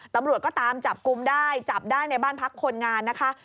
ตำรวจก็ตามจับกลุ่มได้จับได้ในบ้านพักคนงานนะคะ